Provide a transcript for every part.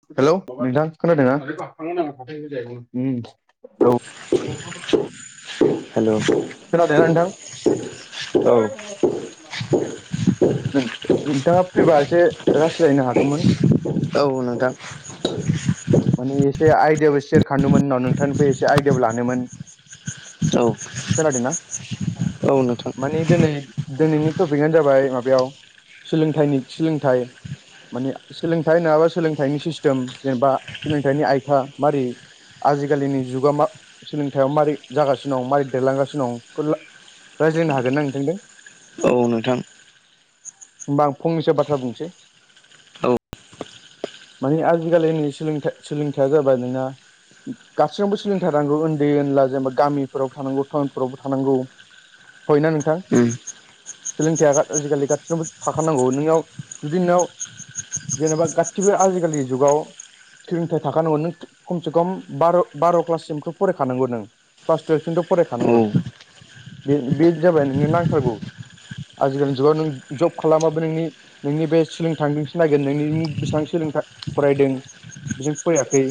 Hello नोंथां खोनादों उम औ हेलौ खोनादोंना नोंथां औ नोंथाङा फैबा एसे रायज्लायनो हागौमोन। औ नोंथां माने एसे आइडियाबो सेयार खानोममोन उनाव नोंथांनिफ्राय एसे आइडियाबो लानोमोन औ खोनादोंना‌ औ नोंथां माने दिनै दिनैनि टपिकआनो जाबाय माबायाव सोलोंथाइनि सोलोंथाइ माने सोलोंथाइ नङाबा सोलोंथाइनि सिस्टेम जेनेबा सोलोंथाइनि आयथा मारै आजिखालिनि जुगा म सोलोंथाइया मारै जागासिनो दं मारोरै देरलांगासिनो दं। रायज्लायनो हागोन ना नोंथांजों औ नोंथां होमबा आं फंनैसो बाथ्रा बुंसै औ माने आजिखालिनि सोलोंथ सोलोंथाया जाबाय नोंना गासैयावबो सोलोंथाइ थानांगौ उन्दै नला जेनेबा गामिफोराव थानांगौ टाउनफोरावबो थानांगौ हय ना नोंथां उम सोलोंथाइया आजिखालि गासिनबो थाखानांगौ नोंनाव जुदि नोंनाव जेनेबा गासिबो आजिखालिनि जुगाव सनिथायाइ थाखानांगौ नों खमसे खम बार' बार' क्लाससिमखौ फरायखानांगौ नों क्लास टुयेल्भसिमथ' फरायखानांगौ औ बे बे जाबाय नोंनो नांथारगौ आजिखालिनि जुगाव नों जब खालामाबो नोंनि नोंनि बे सोलोंथांजोंसो ननायगोन नोंनि बेसेबां सोलों फरायदों। बेजों फैयाखै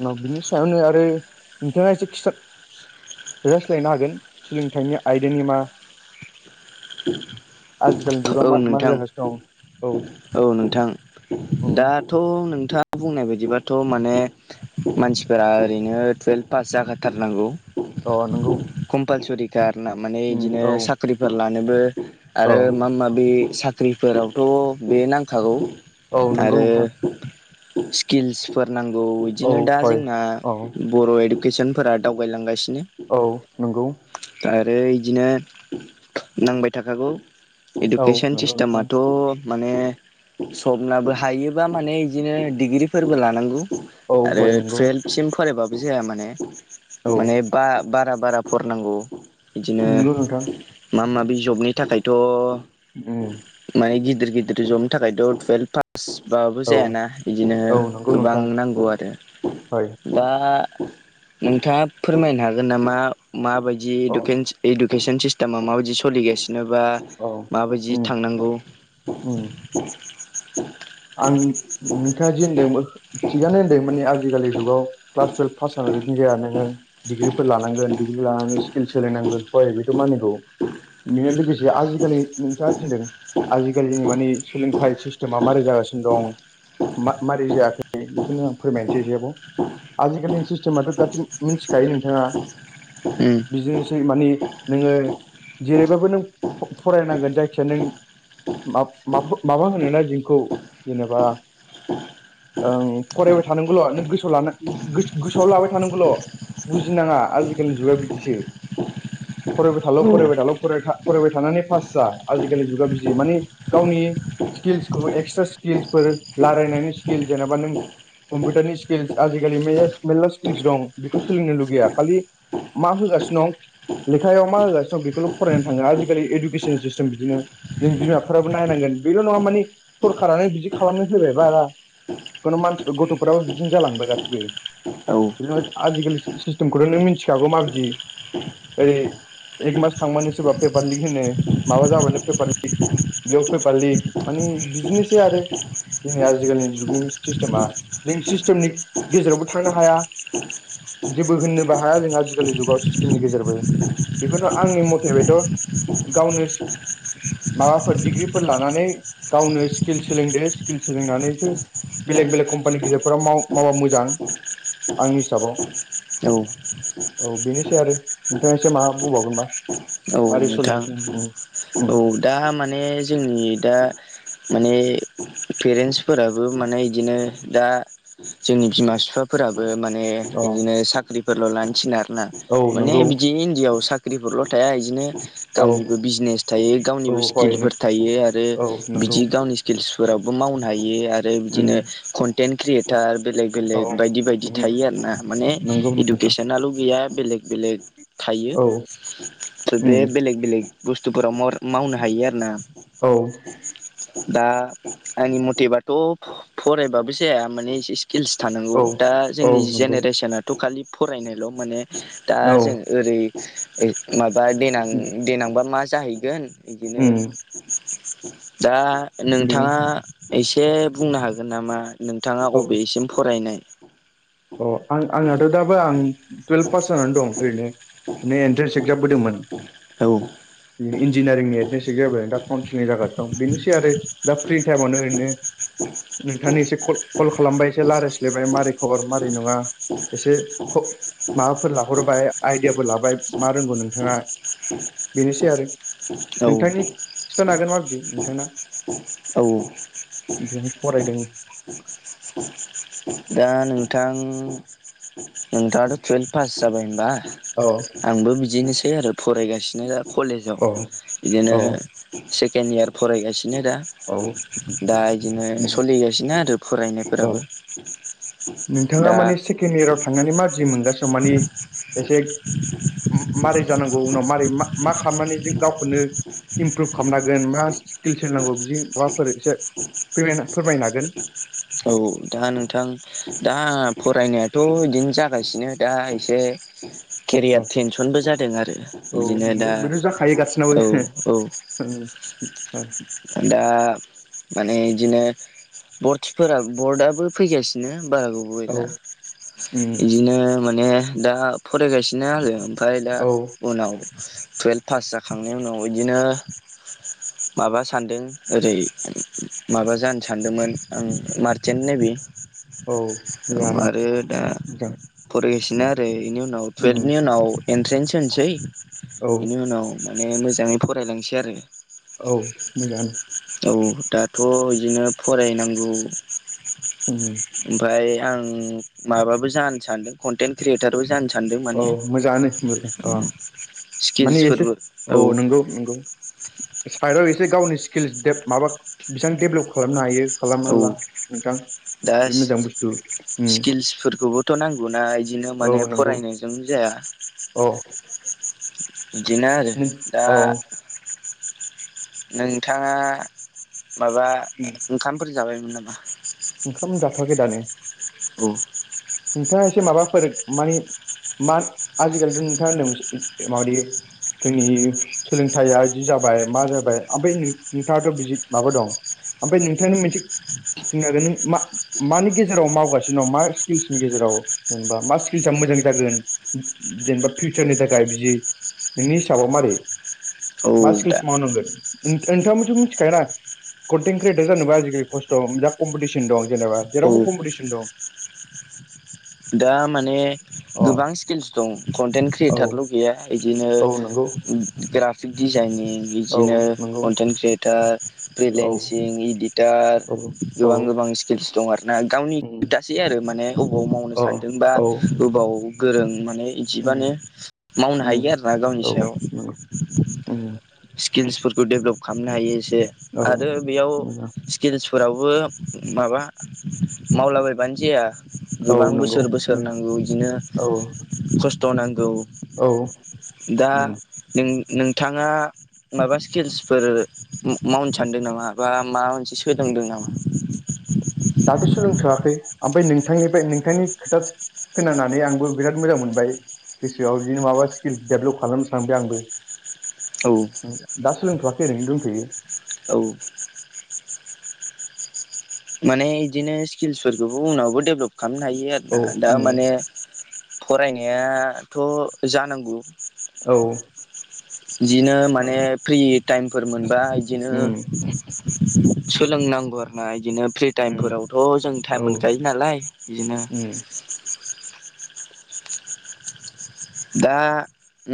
उनाव बिनि सायावनो आरो नोंथाङा एसे खिथा रोजा सोलायनो हागोन सोलोंथाइनि आयदानि मा [inaudible] आजिखालिनि जुगा औ मा मारै नोंथां जागासिनो दं औ औ नोंथां उम दाथ' नोंथां मा बुंनाय बायदिबाथ' माने मानसिफोरा ओरैनो टुयेल्भ पास जाखाथारनांगौ अ नोंगौ कम्पालसरिखानाा माने बिदिनो साख्रिफोर लानोबो औ आरो माबा माबि स्रि साख्रिफोरावथ' बे नांखागौ औ नंगौ आरो नोंथां स्किल्सफोर नांगौ औ बिदिनो दा हय जोंना औ बर' इडुकेसनफोरा दावगायलांगासिनो औ नंगौ आरो बिदिनो नांबाय थाखागौ औ इडुकेसन नंगौ नोंथां सिस्टेमाथ' माने सबनाबो हायोबा माने बिदिनो डिग्रिफोरबो लानांगौ औ आरो हय नंगौ टुवेल्प सिम फरायबाबो जाया माने औ माने ब बारा बारा फरायनांगौ बिदिनो मा नंगौ नोंथां माबा माबि जबनि थाखायथ' उम माने गिदिर गिदिर जमनो थाखायथ' बासबाबो औ जायाना बिदिनो औ नंगौ गोबां नोंथां नांगौ आरो हय बा नोंथाङा फोरमायनो हागोन नामा माबायदि अ डकेन्स इडुकेसन सिस्टेमा माबायदि सोलिगासिनोबा औ माबायदि उम थांनांगौ उम औ आं नोंथाङा जे होनदोंमोन। थिगानो होन्दों मानि आजिखालि जुगाव क्लास टुयेल्भ पास जानानै बिदि जाया नोङो डिग्रिफोर लानांगोन डिग्रि लानानै स्किल सोलायनांगोन हय बेथ' मानिगौ बेनो लोगोसे आजिखालि नोंथाङा दि होनदों आजिखालिनि माने सोलोंथाइ सिस्टेमा मारै जागासिनो दं मारै जायाखै बेखौनो आं फोरमायनोसै इसेबाव आजिखालिनि सिस्टेमाथ' गासि मिथिखायो नोंथाङा बिजोंनोसै माने नोङो जेरैबाबो नों फरायनांगोन जायखिजाया नों माबा होनोना जोंखौ जेनेबा ओं फरायबाय थानांगौल' नों गोसोआव लान गोसोआव लाबाय थानांगौल' बुजिनाङा आजिखालिनि जुगा बिदिसो फरायबाय थाल' उम फरायबाय थाल' फराय फरायबाय थानानै पास जा आजिखालि जुगा बिदि माने गावनि स्किल्सखौ एक्सट्रा स्किल्सफोर रायलायनायनि स्किल जेनेबा नों कम्पिउटारनि स्किल्स आजिखालि मेर्ला स्किल दं बेखौ सोलोंनो लुगैया खालि मा फैगासिनो दं लेखायाव मा होगासिनो दं बेखौल' फरायनानै थाङो आजिखालि इडुकेसन सिस्टेम बिदिनो जों बिमाफोराबो नायनांगोन बेल' नङा माने होखारनानै बिदि खालामनानै होबाय बा खुनु मानसिफोर गथ'फोराबो बिदिनो जालांबाय गासैबो औ आजिखालि सिस्टेमखौथ' नों मिथिखागौ माबायदि ओरै एक मास थांबानो सोरबा पेपार लिक होनो माबा जाबानो पेपार लिक बेयाव पेपार लिक मानि बिदिनोसै आरो जोंनि आजिखालिनि जुगनि सिस्टेमा जों सिस्टेमनि गेजेरावबो थांनो हाया [inaudible] जेबो होननोबो हाया जों आजिखालि जुगाव सिस्टेमनि गेजेरबो बेखौथ' आंनि मथे बेथ' [inaudible] माबाफोर डिग्रिफोर लानानै गावनो स्किल सोलोंदो स्किल सोलोंनानैसो बेलेग बेलेग कम्पानि गिदिरफोराव माव मावबा मोजां आंनि हिसाबाव औ औ बेनोसै आरो नोंथाङा एसे मा बुंबावगोनबा औ मारै नोंथां सोलिगासिनो उम उम औ दा माने जोंनि दा माने पेरेन्टसफोराबो माने इदिनो दा जोंनि बिमा बिफा फोराबो माने अ बिदिनो साख्रिफोरल' लानो थिनो आरो ना औ माने नंगौ बिदि इण्डियाआव साख्रि [unintelligible] फख्रिफोरल' थाया बिदिनो औ गावनिबो बिजनेस थायो औ गावनिबो हय नों स्किलफोर थायो आरो औ नंगौ बिदि गावनि स्किल्सफोरावबो मावनो हायो आरो उम बिदिनो कन्टेन्ट क्रियेटार बेलेग औ बेलेग बायदि बायदि उम थायो आरो ना माने नंगौ इदु नोंथां गेसेनाल' गैया बेलेग बेलेक थायो। औ उम बे बेलेग बेलेग बुस्थुफोराव मावनो हायो आरोना औ दा आंनि मथेबाथ' फरायबाबो जाया माने स्किल्स थानांगौ औ दा औ जोंनि नंगौ जेनेरेसनाथ' खालि फरायनायल' माने दा औ जोंङो ओरै माबा देनां देनांबा मा जाहैगोन इदिनो उम दा नोंथाङा बेनो एसे बुंनो हागोन नामा नोंथाङा औ बबेसिम फरायनाय अ आं आंनाथ' दाबो आं टुयेल्भ पास जानानै दं ओरैनो एन्ट्रेनस एकजाम होदोंमोन औ बि इन्जिनियारिंनि [unintelligible] जाबाय दा [unintelligible] जागासिनो बेनोसै आरो दा फ्रि टाइमावनो ओरैनो नोंथांनि एसे कल खालामबाय एसे रायलायस्लायबाय मारै खबर मारै नङा एसे खबर माबाफोर लाहरबाय आइदियाफोर लाबाय मा रोंगौ नोंथाङा बेनोसै आरो औ नोंथांनि खिथानो हागोन मा बेदि नोंथांना औ बेहाय फरायदों [inaudible] दा नोंथां नोंथाङाथ' टुवेल्भ पास जाबाय होनबा औ आंबो बिदिनोसै आरो फरायगासिनो दा कलेजाव औ बिदिनो औ सेकेड इयार फरायगासिनो दा औ दा इदिनो सलिगासिनो आरो औ फरायनायफोराबो नोंथाङा दा मानि सेकेणड इयाराव थांनानै मादि मोनगासिनो दं मानि एसे मारै जानांगौ उनाव मारै मा खालामनानै जो गावखौनो इमप्रुभ खालामनो हागोन मा स्किल सोलोंनांगौ बिदि माबाफोर एसे फोरमायनो हागोन औ दा नोंथां दा फरायनायाथ' इदिनो जागासिनो दा एसे [inaudible] केरियार औ टेनसनबो जादों आरो औ बिदिनो दा नंगौ बेथ' जाखायो गासिनाबो औ औ [inaudible] दा माने इदिनो खाफोरा बर्डआबो फैगासिनो बारा गोबाव गैला उम इदिनो माने दा फरायगासिनो आरो ओमफ्राय दा औ उनाव टुवेल्भ पास जाखांनायनि उनाव इदिनो माबा सानदों ओरै माबा जानो सानदोंमोन आं मारसेन्ट नेबि औ औ मोजाङानो आरो दा मोजां फरायगासिनो आरो इनि उनाव उम टुयेल्भनि उनाव एन्ट्रेन्स होनोसै औ इनि उनाव माने मोजाङै फरायलांसै आरो औ मोजाङानो औ दाथ' बिदिनो फरायनांगौ औ ओमफाय आं माबाबो जानो सानदों खन कन्टेन्ट क्रियेटारबो जानो सानदों औ माने मोजाङानो होनबालाय अ माने एसे स्किल्सफोरबो औ नंगौ नंगौ साइडाव एसे गावनि स्किल्स टेप माबा बेसां डेभेलप खालामनो हायो औ खालामना ला नोंथां बे मोजां बुस्थु ओम फिल्सफोरखौबोथ' नांगौना बिदिनो माने नंगौ फरायनायजों जाया औ बिदिनो आरो नों दा औ नोंथाङा माबा उम, ओंखामफोर जाबायमोन नामा? ओंखाम जाथ'वाखै दानो औ नोंथाङा एसे माबा फोर माने मा आजिखालिथ' नोंथाङा होनदों माबादि जोंनि सोलोंथाइया जि जाबाय मा जाबाय ओमफ्राय नोंथाङाथ' बि माबा दं ओमफ्राय नोंथांनो मोनसे नों मा मानि गेजेराव मावगासिनो दं मा स्किल्सनि गेजेराव जेनेबा मा स्किल्सआ मोजां जागोन जेनेबा फिउचारनि थाखाय बिदि नोंनि हिसाबाव मारै औ मा दा स्किल्स मावनांगोन नोंथाङाबोथ' मिथिखागौ दा कन्टेन् क्रियेटार जानोबा आजिलिस्थ मोन जा कमपिटिसन दं जेनेबा औ जेरावबो कम्पिटिसन दं दा माने अ गोबां स्किल्स दं कन्टेन्ट औ क्रियेटारल' गैया इदिनो औ नंगौ ग्राफिक डिजाइनिं औ बिदिनो नंगौ कन्टेन्ट क्रियेटार औ फ्रिलेन्सिं इदिटार औ औ गोबां गोबां स्किलस दं आर ना गावनि औ खोथासै आरो माने हबाव मावनो औ सानदोंबा औ ओबाव गोरों माने इदिबानो मावनो हायो आरो ना गावनि सायाव स्किल्सफोरखौ डेभ्लप खालामनो हायो एसे आरो बेयाव स्किल्सफोरावबो माबा मावलाबायबानो जाया औ गोबां नंगौ बोसोर बोसोर नों- नांगौ इदिनो औ खस्थ' नांगौ औ दा नों नोंथाङा माबा स्किल्सफोर मावनो सानदों नामा बा माबा मोनसे सोलोंदों नामा? दाथ' सोलोंथोआखै ओमफ्राय नोंथांनिफ्राय नोंथांनि खोथा खोनानानै आंबो बिराद मोजां मोनबाय गोसोआव बिदिनो माबा स्किल्स डेभलप खालामनो सानबाय आंबो औ दा सोलोंथ'वाखै ओरैनो दंथ'यो औ माने इदिनो स्किल्सफोरखौबो उनावबो डेभलप खालामनो हायो औ आरोना दा उम माने फरायनायाथ' जानांगौ औ बिदिनो माने फ्रि टाइमफोर मोनबा इदिनो उम सोलोंनांगौ आरो ना इदिनो फ्रि उम टाइमफोरावथ' जों औ टाइम मोनखायो नालाय बिदिनो उम दा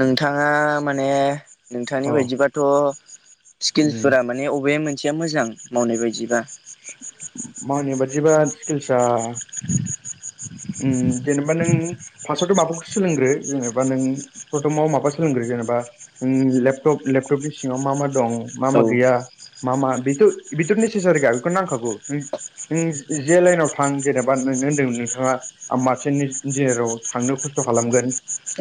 नोंथाङा माने नोंथांनि अ बायदिबाथ' स्किल्सफोरा माने अबे मोनसेया मोजां मावनाय बायदिबा मानाय बादिबा स्किल्सा उम जेनेबा नों फासावथ' माबाखौ सोलोंग्रो जेनेबा नों प्रथमाव माबा सोलोंग्रो जेनेबा उम लेपटप लेपटपनि सिङाव मा मा दं मा औ मा गैया मा मा बेथ' बेथ' नेसेसारि खा बेखौ नांखागौ नों नों जे लाइनाव थां जेनेबा नोंनो होनदोंमोन नोंथाङा आ मानसिननि इन्जिनियाराव थांनो खस्थ' खालामगोन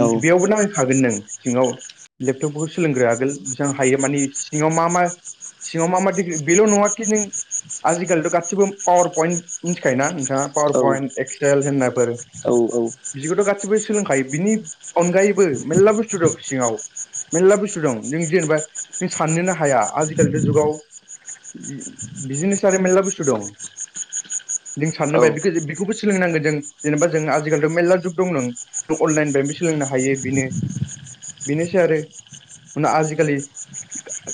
औ बेयावबो नाङैखागोन नों सिङाव लेपटपफोरखौ सोलोंग्रो आगोल बिसां हायो माने सिङाव मा मा सिङाव मा मा [unintelligible] बेल' नङाखि नों आजिखालिथ' गासिबो पावार पइन्ट मिथिखायोना नोंथाङा पावार औ पइन्ट टेक्सटाइल होननाफोर औ औ बिदिखौथ' गासिबो सोलोंखायो बिनि अनगायैबो मेर्ला बुस्थु दं सिङाव मेल्ला बुस्थु दं नों जेनेबा नों साननोनो हाया आजिखालिथ' जुगाव बिजिनेस आरो मेल्ला बुस्थु दं जों साननोबा बेखो बेखौबो सोलोंनांगोन जों जेनेबा जों आजिखालिथ' मेरला जुग दं नों थ' अनलाइन फायबो सोलोंनो हायो बिनो बिनोसै आरो हुना आजिखालि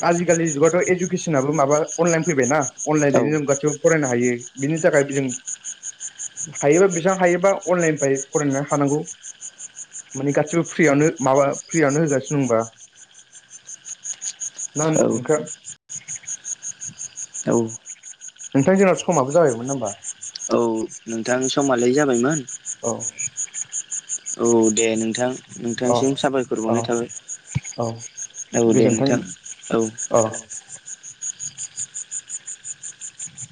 आजिखालि जुगाथ' इजुकेसनाबो माबा अनलाइन फैबायना औ अनलाइनजोंनो जों गासिबो फरायनो हायो बिनि थाखायबो जों हायोबा बेसां हायोबा अनलाइननिफाय फरायनानै हानांगौ मानि गासिबो फ्रियावनो माबा फ्रियावनो होगासिनो दंबा ना औ ओंखा औ नोंथां जोंना समाबो जायोमोन नामबा औ नोंथां समालाय जाबायमोन औ औ दे नोंथां औ नोंथांनिसिम साबायख'र औ बावनाय औ थाबाय औ दे नोंथां औ अ